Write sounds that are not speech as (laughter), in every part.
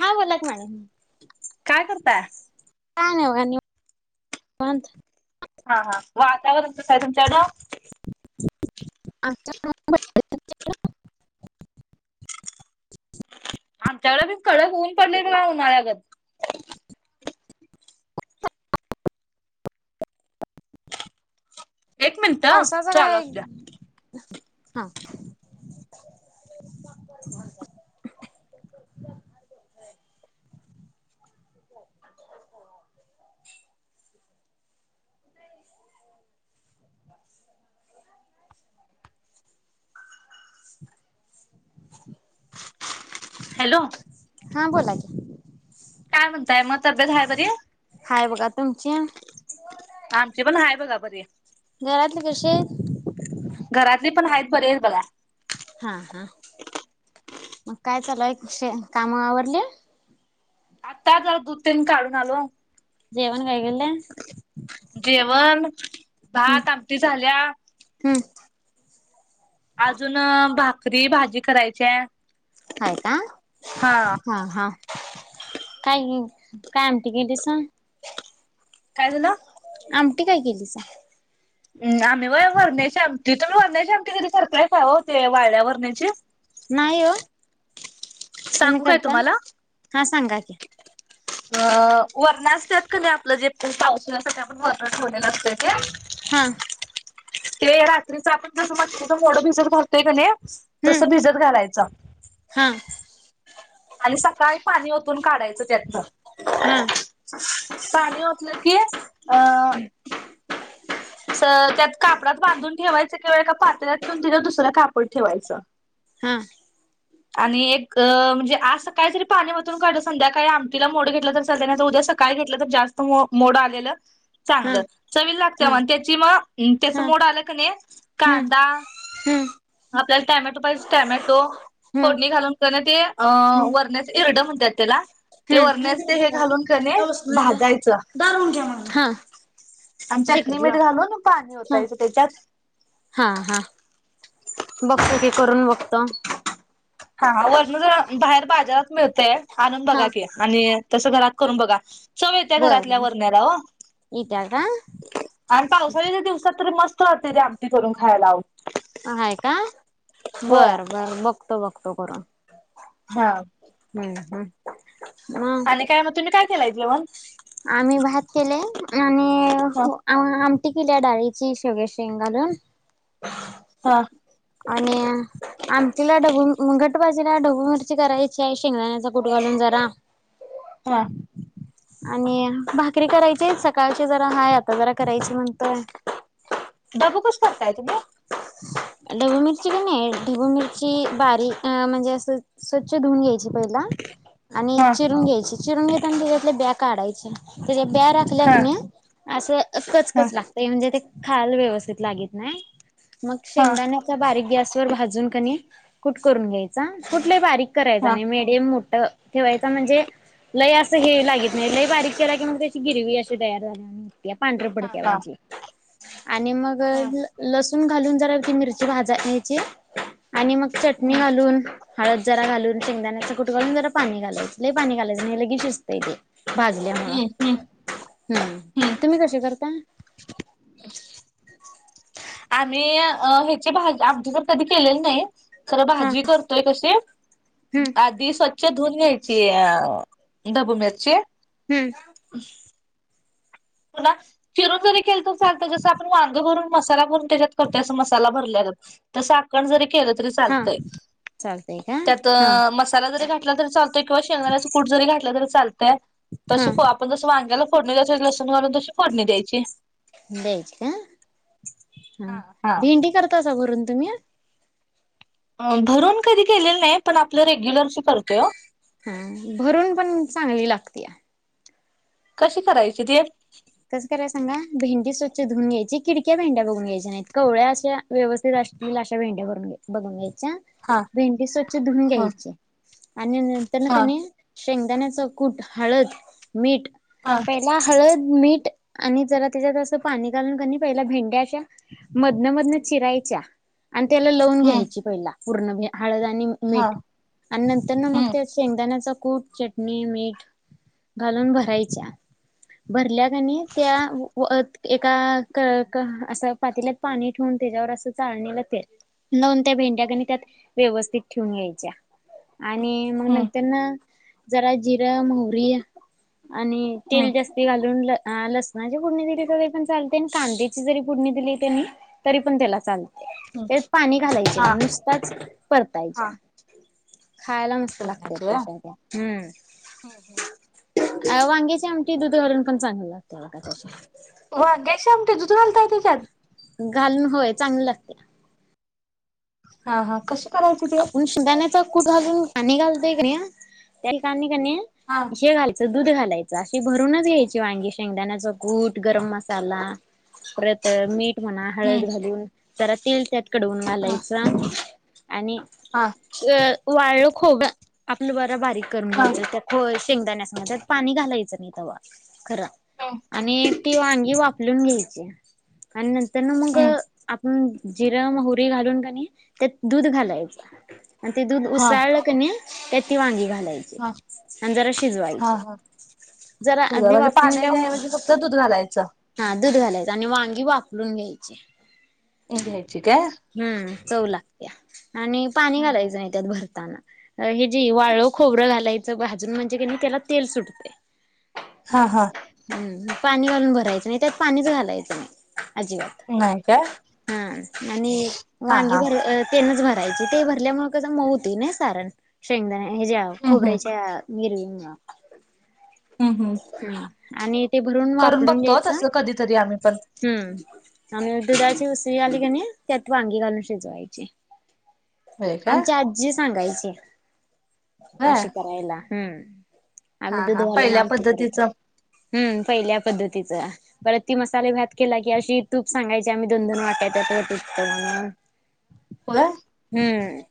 हा बोला कि मॅडम. करता का का (unintelligible) हा हा वातावरण कस आहे तुमच्याकडं? आमच्या (unintelligible) आमच्याकडे बी कडक ऊन पडले ना उन्हाळ्यागत. एक मिनिट हं पावसाच चालू काय असू द्या. हा (unintelligible) (inaudible) (inaudible) हॅलो? हा बोला की काय म्हणते? ताय म तब्येत हाय म बरी? हाय बघा तुमची आमची पण हाय बघा. बरीये घरातले कसे आहेत? घरातली पण आहेत बरी हायत बघा. हा, हा, मग काय चालुय कशी काम आवरली? आता जर दूधतेन काढून आलो. जेवन काय केलय? थ (inaudible) भात आमटी झाल्या ् (inaudible) अजून भा भाकरी, भाजी करायची आहे. हाय का? हा. हा. काय नई, काय आमटी केली सांग? काय झालं? आमटी काय केलीसा? आम्ही व्हय वरण्याची आमटी तुम्ही वरण्याची आमटी कधी करताय का? आवं ते वाळया वरण्याची? नाही हो, तुम्ही सांगू काय करता? तुम्हाला? सांगा की. अ.. वरणं असत्यात का नाही आपलं जे पावसाळीसाठी आपण वरण ठेवलेलं असते ते हा ते रात्रीचा आपण जस मटकीच मोडं भिजत घालतोय की नाही, तस हम्म भिजत घालायचं. हा आणि सकाळी पाणी ओतून काढायचं त्यातन, हा पाणी ओतलं की, स... त्यात कापडात बांधून ठेवायचं किंवा एका पातल्यात ठेवून तिथं दुसरं कापड ठेवायचं. हा. आणि एक अ.. म्हणजे आज सकाळी जरी पाणी ओतून काढलं, संध्याकाळी आमटीला मोड घेतलं तर चालतय, उद्या सकाळी घेतलं तर जास्त मो मोड आलेलं हा चांगलं. चवीला हा त्या हा (unintelligible) आ हम्म कांदा हम्म आपल्यालामटेमो हम्म फडणी घाून हम्म वरड म्हणात त्या (inaudible) नी मीठ घालून पानी हा ओतायचं त्याच्यात बघत की. करून बघत. हा, वर न, भायेर बाजारात मिळतेय. आणून बघा हा कीं. आनी.. तसं घरात करून बघा. चव येते घरातल्या बर वरण्याला ओ. येत्या का आन पावसाळ्याच्या दिवसात मस हं त्याची आमटी करून खायाला हवी. आहे कां? होय बरं. बरं. मग तं बघत करून. हा. हं, हं. आणि काय म तुम्ही पण? आम्ही भात केलेय. आनी.. ह आ., आमटी केलिया डाळीची. शेवग्याच्या शेंगा न. ह आणि... आमटीला (unintelligible) भाजीला ढबू मिरची करायची हाय. शेंगदाण्याचा कूट घालून जरा. हा. आणि भाकरी करायची हाईत. सकाळची जरा हाय आता. जरा करायची म्हनतोय आम्ही. डबू कस करताय तुम्ही? ढबू मिरची पण नाही. ढबू मिरची बारीक म्हणजे, असं स्वच्छ धुऊून घ्यायची. (unintelligible) आनी हा चिरून घायची. चिरून घेताना (unintelligible) काढायच्या. बिया राखल्या हा कीं नाई.. असं हा कचकच लागतेय म्हनजे खाआला व्यवस्थित लगीत नाय? मग हा शेंगदाण्याचा बारीक गॅस तूर भाजून कां नई, कूट करून घ्यायचा. कूट लई बारीक करायचा हा नाही. मिडीयम ड. ठेवायचा म्हनजे? लय असं हे लगीत नाही. लय बारीक केला कीं मग ते.... ती गेली. मी अशी तयार झाले. या पांढरं हा फडक हा वजी. आणि मग.. हा ल लस. तुन घालून जरा ती मिरची भाजायची. आनी मग चटणी घालून हळद जरा घालून शेंगदाण्याचा कुटकाालून जरा पाणी घालायचं ल पाणी घालायचं हे ले शिजतय ते भाजल्या मूळ हम्म हम्म हम्म तुम्ही कसे करता आम्ही ह्याचे भाज आमटी जर कधी केलेली नाही खरं हा भाजी करतोय कसे हम्म आधी स् च्या धुून घ्यायची डाबू मिरची हम्म पु्हा चीरून जरी केल तर चालत जस आपण वांग भरून मसाला करून त्याच्यात कर अस मसाला भरले ज त सा आपण जरी घ क हा चालत चालतंय का हा त हा आपण जसं वांगाला फोडणी ून तशी फोडणी द्यायची द्यायची का हा भिंडी करता अस भरून तुम्ही भरून कधी केलेलं नाही पण आपलं रेग्युलर करतोय हा भरून पण चांगली लागते कशी करायची ते कसं कराय सांग भेंडी स्वच्छ धुन घ्यायची किडक्या भें्या बघून घ्यायच्या नाहीत कवळ्या अशा व्यवस्थित असतील अशा भेंड्या भरून बघून घ्याय हा भेंडी स्वच्छ धुून ह घ्यायचे आणि नंतर हा क शेंगदाण्याचा कूट हळद मीठ हा पहिला हळद मी आणि जरा त्याच्यात पाणी घालून कनी पहिल्या भेंड्या अशा मधन मधन चिरायच्या आणि त्याला लावून हम्म घ्यायची पहिला पूर्ण भ हळद आणि हा मीठ आणि नंतर ना मग हम्म त्या शेंगदाण्याचा कुट, चटणी -मीठ घालून भरायच्या भरल्या कधी त्या व एका असं पातीलात पाणी ठेवून त्याच्यावर असं चाळणीला तेल लाऊन, त्या भेंड्याकणी त्यात व्यवस्थित ठेवून घ्यायच्या आणि मग हम्म नंतरना जरा जिर, मोहरी आणि हम्म तेल जास्ती घालून अ लसणाची फुडणी दिली तरी पण चालते आणि कांद्याची जरी फुडणी दिली त्यानी तरी पण त्याला चालते. हम्म त्यात पाणी घालायचे हा नाही नुसताच हा परतायच्या. खायला मस्त लागते बदलायची त्याशा त्या हम्म, होय वांग्याची आमटी दूध घालून पण चांगल ध (unintelligible) घालताय तेच्यात? घालून होय चांगलं लागते. हा हा कशी करायची ती आपण शेंगदाण्याचा कूट घालून पाणी घालतोय कणी त्या ठिकाणी कणी हा हे घालायचं दूध घालायचं, अशी भरूनच घ्यायची वांगी, शेंगदाण्याचा कुट, गरम मसाला परत मीठ म्हणा, हम्म हळद घालून जरा तीळच्या कडवून हा घालायचं. आणि हा अ वाळं खोब आपलं ब बारीक करून हा घ्यायचं त्या खो शेंगदाण्यासंगत पाणी घालायचं नाही तेवा खर हम्म आणि ती वांगी वापर लुंन घ्यायची आणि नंतर नंऊन मग हम्म आप ह् जिरं -मोहरी घालून काणी त्यात दूध घालायचं. आणि ते दूध हा उसाळलं कणी त्यात ती वांगी घा घालायची हा आणि जरा हा शिजवायचं हा जरा शिजवा आदि म्हणजे वाफवून घ्या पाण्याच्या म ऐवजी फक्त दूध घालायचं हा दूध घालायचं आणि वांगी वा लुंगयचे इंग ध्यायची काय? चव लागत्या आणि पाणी घालायचं नाही त्यात भरताना. अ हे जे वाळ खोबरं घालायचं भाजून म्हणजे कणी त्याला तेल सुटते. हा हा हम पाणी घालून भरायचं नाही त्यात पाणीच घालायचं नाही अजिबात नाही काय हा आणि हा वांगी हा भर अ भरायचं ते भरल्यामुळे कसं माऊ होतय नाही सारण. शेंगदान्या हे हम्म हम्म ज्याखोबऱ्याच्या मीरवी ना हम्म हम्म हम् आणि ते भरून करून वाफवून बघतो घ्यायच तसं कधीतरी आम्ही पण हम्म आणि दुधाची उसळी आली क नाही त्यात वांगी घालून शिजवायची होय काय आमची आजी सांगायची हम होय अशी करायला हम्म आम्ही दूध घालून आमटी पद्धतीचा हम् पहिल्या पद्धतीच परत ती मसाले भात केला की अशी तूप सांगायची आम्ही दोन दोन वाटाय त्यात तूपत म्हण होय हम्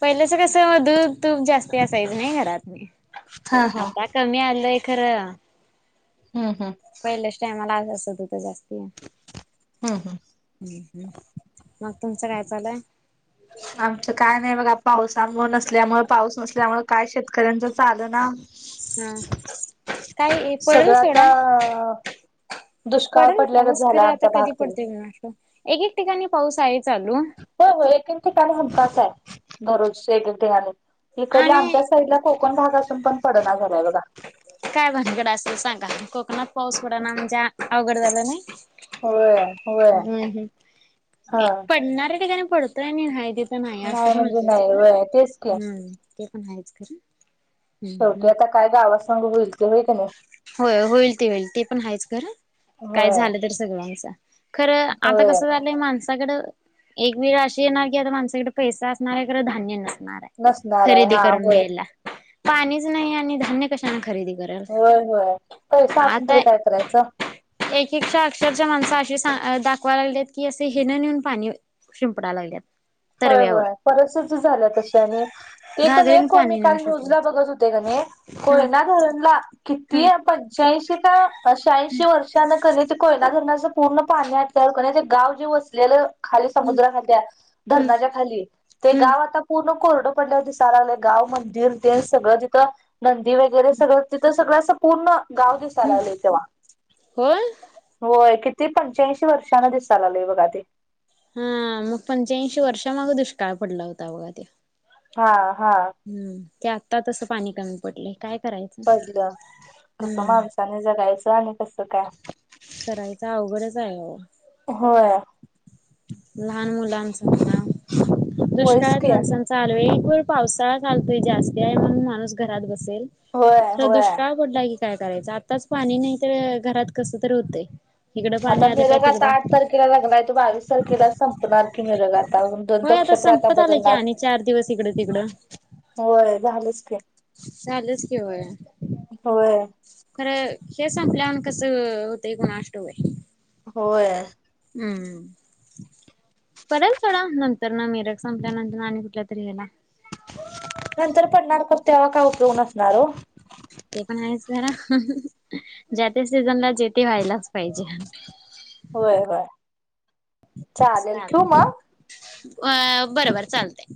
पहिल्याच कसं दूध तूप जास्ती असायचं नाही घरात नी हा हा आता कमी आलय अ खरां हम्म हम्म यमाला असं दुध जास्त हो हम्म हम्म हम् ह मग तुमचं काय चालंय आमचं काय नाही बघा पावसामुळे न असल्यामुळे पाऊस नसल्यामुळे काय शेतकऱ्यांच चालं ना हा काय पडेल सगळं आता सोडा दुष्काळ पडेल पडल्यागत पाऊस झाला खरं आता आमचा भाग कधी तरी पडते म कुणाष्टाऊ एक एक ठिकाणी पाऊस आहे चालू हो होय ठिकाणी मोठाच आहे दररोज एकडेे आले इकडल्या आणि आमच्या साईडला कोकण भागात पण पडणार झालाय बघा काय भानगड असेल सांगा कोकणात पाऊस बड ना जा अवघड झालं ना होय होय हम्म हा हम्म पडणार त्या त्या पडतयहाय नाही म्हणजे नाही व तेच क हम्म ते पण आहेच खरं हम्म शेवटी हम्म आता काय गावा अस (inaudible) होय होईल ते होईल ते पण आहेच खरं काय होय झालं तर सगळ्यांच खरं आता होय कसं व्हाय माणसाकडं एक वेळ अशी येणार की आता माणसाकडे पैसा असणार हाय, खरं धान्य नस नसणार आहे खरेदी हा करून होय यायला पाणीच नाही आणि (unintelligible) कशानं खरेदी करूया. होय होय पैसा असून तरी काय करायचं. तिक्षा अक्षरशा माणस अशी दाखवा लागलित की अस हे न नेऊन पाणी शिंपडा लागल्यात. होय तरव्यावर होय परिस्थिती झाल्या तसी आणि ते कनी घागरीन मी पाणी नेऊन काल न्यूजला शिंपडायचं बघत होते कनी हा कोयना धरणला किती हा पंच्याऐंशी का शहाऐंशी वर्षांनं ते कोय धरणाचं पूर्ण पाणी आटल्यावर कनी गाव जे वसल्याल खाली हम्म समुद्रा (unintelligible) हम्म धरणाच्या खाली ते हम्म गाव आता. पूर्ण कोरडं पडल्यावर दिसा लागलंय गाव मंदिर ते सगळं जिथं नंदी वगैरे सगळं तिथं सगळं असं पूर्ण. गाव दिसा हम्म लागले तेव्हा होय होय कि ते पंच्याऐंशी वर्षांन दिसालाले बघा ते. हम्म म पंच्याऐंशी वर्षा माग दुष्काळ पडला होता बघा तोय. हा. हा हम्म. की आत्ता तसं पाणी कमी पडलय काय करायचं पडलं कसं हम्म माणसानी जगायचं. त आणि कसं काय? चालू. होय. लहान मुलाचं ना. होयच दुष्काळात की माणसाचं हाल वे व्हय पावसाळा चालतोय जास्ती हाय, म्हणून माणूस घरात बस सेल होय खर होय दुष्काळ पडलाय की काय करायचं आताच पाणी नाइ तर घरात कसं तरी होतंय. इकडं आता पाणी आलं काय मेरगता तिकडं आठ तारखेला लागलाय तो (unintelligible) तीस तारखेला संपणार की निरग आता (unintelligible) होय नक्षत्र आता संपत आला की बदलणार आणि चार दिवस इकडं तिकडं. होय झालचं की चालूच की होय होय. खरं हे संपल्यावर आण कसं होतय कुणास ठव बाई. होय. हम्म पडल सोडा नंतर ना मिरक संपल्या नंतर आणि कुठल्या तरी हेला. नंतर पडणार तर तेव्हा काय उपयोग असणार ओ. ते पण हायचं खर ज्या त्या सीझनला जे ते व्हायलाच पाहिजे. होय होय चालेल ठेऊ म. चालतंय बरोबर चालतय.